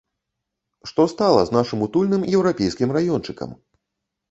Што стала з нашым утульным еўрапейскім раёнчыкам?